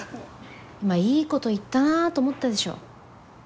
今いいこと言ったなと思ったでしょ。